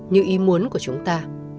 như ý muốn của chúng ta